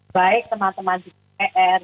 baik teman teman di dpr